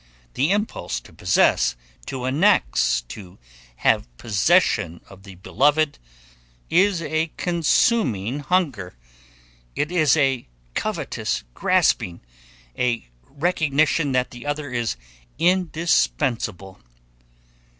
The impulse to possess, to annex, to have possession of the beloved, is a consuming hunger. It is a covetous grasping, a recognition that the other is indispensable.